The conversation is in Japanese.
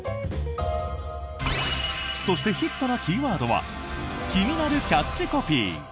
そして、ヒットなキーワードは気になるキャッチコピー。